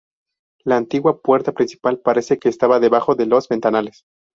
La antigua puerta principal parece que estaba debajo de los ventanales.